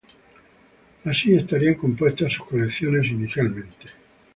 Así estarían compuestas sus colecciones inicialmente.